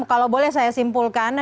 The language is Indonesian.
kalau boleh saya simpulkan